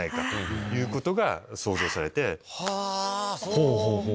ほうほうほう。